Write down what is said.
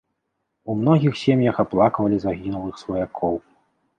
У многіх сем'ях аплаквалі загінулых сваякоў.